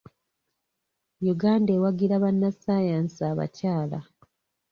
Uganda ewagira bannassaayansi abakyala.